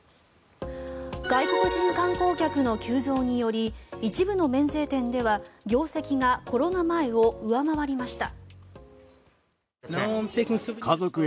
外国人観光客の急増により一部の免税店では業績がコロナ前を上回りました。